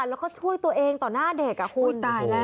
แล้วก็ช่วยตัวเองตอนหน้าเด็กอะคุณ